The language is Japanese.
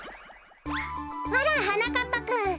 あらはなかっぱくん。